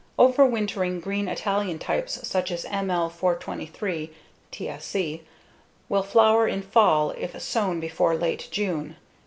Overwintering green Italian types such as ML423 (TSC) will flower in fall if sown before late June.